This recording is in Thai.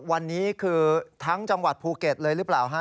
วันนี้คือทั้งจังหวัดภูเก็ตเลยหรือเปล่าฮะ